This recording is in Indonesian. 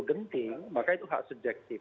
genting maka itu hak subjektif